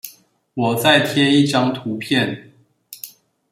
我再貼一張圖片